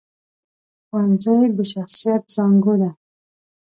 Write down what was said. ښوونځی د شخصیت زانګو ده